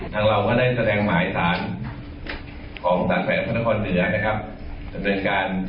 ทางเราก็ได้แสดงหมายสารของตัดแผนฝนคนเหนือนะครับ